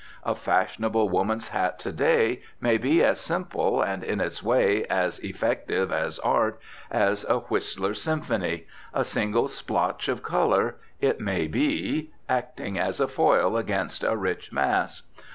A fashionable woman's hat to day may be as simple and, in its way, as effective as art as a Whistler symphony; a single splotch of colour, it may be, acting as a foil against a rich mass.